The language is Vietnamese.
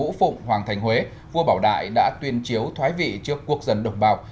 tại lầu ngũ phụng hoàng thành huế vua bảo đại đã tuyên chiếu thoái vị trước quốc dân độc bào